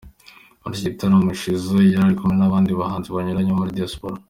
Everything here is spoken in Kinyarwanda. Muri iki gitaramo, Shizzo yari ari kumwe n'abandi bahanzi banyuranye bo muri Diaspora.